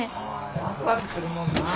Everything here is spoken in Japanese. ワクワクするもんなぁ。